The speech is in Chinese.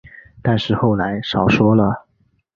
但后来少说了